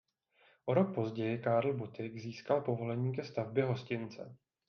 O rok později Karl Buttig získal povolení ke stavbě hostince.